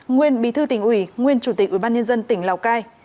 nguyên bí thư tỉnh ủy nguyên chủ tịch ủy ban nhân dân tỉnh lào cai